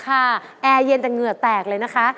แอร์เย็นแต่เหงื่อแตกเลยนะคะ